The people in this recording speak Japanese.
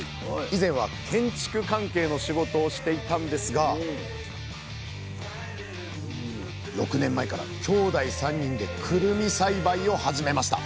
以前は建築関係の仕事をしていたんですが６年前から兄弟３人でくるみ栽培を始めました。